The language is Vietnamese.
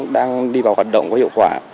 đang đi vào hoạt động có hiệu quả